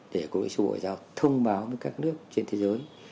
để cục nguyên sự bộ hội giao thông báo với các nước trên thế giới